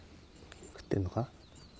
食ってんのか？